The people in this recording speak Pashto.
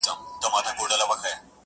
پرېږده چي دا سره لمبه په خوله لري!!